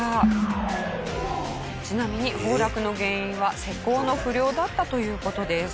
ちなみに崩落の原因は施工の不良だったという事です。